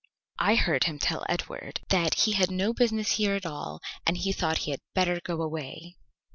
"I heard him tell Edward that he had no business here at all, and he thought he had better go away."